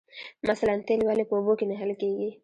مثلاً تیل ولې په اوبو کې نه حل کیږي